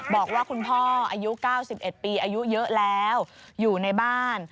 บอกว่าคุณพ่ออายุ๙๑ปีอายุเยอะแล้วอยู่ในบ้าน